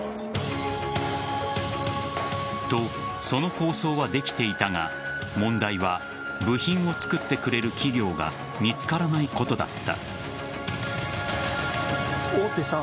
と、その構想はできていたが問題は部品を作ってくれる企業が見つからないことだった。